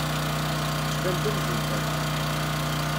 Tettban-d amzun terfa.